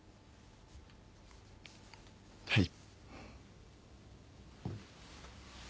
はい。